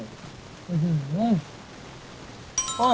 อ้านนี่